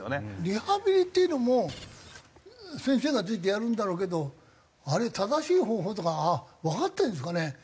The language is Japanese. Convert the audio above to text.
リハビリっていうのも先生がついてやるんだろうけどあれ正しい方法とかわかってるんですかね？